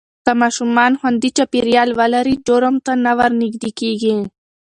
که ماشومان خوندي چاپېریال ولري، جرم ته نه ورنږدې کېږي.